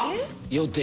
予定？